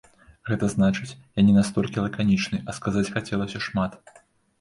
Гэта значыць, я не настолькі лаканічны, а сказаць хацелася шмат.